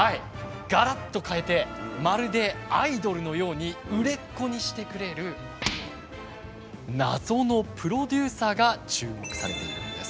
がらっと変えてまるでアイドルのように売れっ子にしてくれる謎のプロデューサーが注目されているんです。